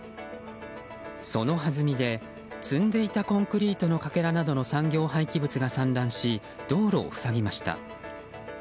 そのはずみで、積んでいたコンクリートのかけらなどの産業廃棄物が散乱し道路を塞ぎました。